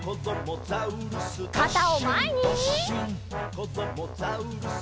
「こどもザウルス